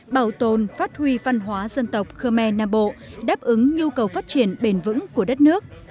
bảo tồn phát huy văn hóa dân tộc khơ me nam bộ đáp ứng nhu cầu phát triển bền vững của đất nước